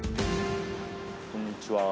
こんにちは。